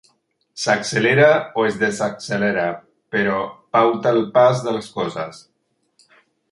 S'accelera o es desaccelera, però pauta el pas de les coses.